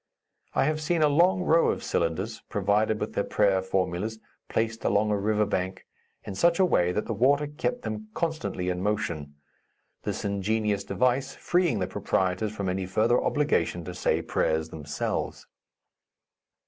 I have seen a long row of cylinders, provided with their prayer formulas, placed along a river bank, in such a way that the water kept them constantly in motion, this ingenious device freeing the proprietors from any further obligation to say prayers themselves.